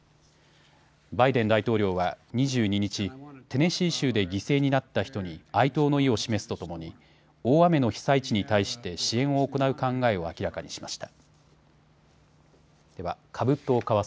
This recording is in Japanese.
バイデン大統領は２２日、テネシー州で犠牲になった人に哀悼の意を示すとともに大雨の被災地に対して支援を行う考えを明らかにしました。